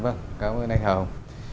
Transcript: vâng cám ơn anh hà hồng